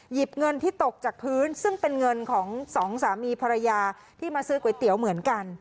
หยิบเงินที่ตกจากพื้นซึ่งเป็นเงินของสองสามีภรรยาที่มาซื้อก๋วยเตี๋ยวเหมือนกัน